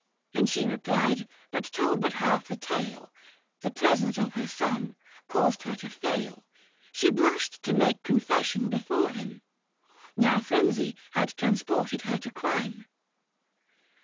And she replied, but told but half the tale ; The presence of her son caused her to fail ; o 2 196 THE FASTI. Book VI. She blushed to make confession before him ; Now frenzy had transported her to crime.